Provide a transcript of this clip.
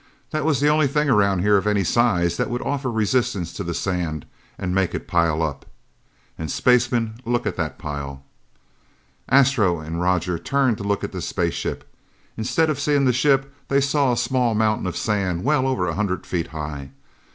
"That was the only thing around here of any size that would offer resistance to the sand and make it pile up. And, spaceman, look at that pile!" Astro and Roger turned to look at the spaceship. Instead of seeing the ship, they saw a small mountain of sand, well over a hundred feet high.